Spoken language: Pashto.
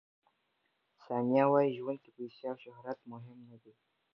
ثانیه وايي، ژوند کې پیسې او شهرت مهم نه دي.